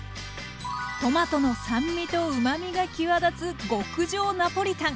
トマトの酸味とうまみが際立つ極上ナポリタン。